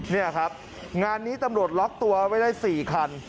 นี่ครับงานนี้ตำรวจล็อกตัวไว้ได้๔คัน